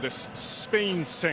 スペイン戦。